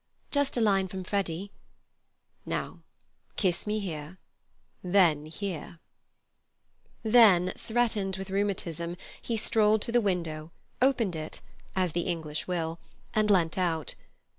"Just a line from Freddy." "Now kiss me here; then here." Then, threatened again with rheumatism, he strolled to the window, opened it (as the English will), and leant out.